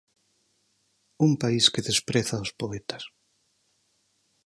Un país que despreza aos poetas.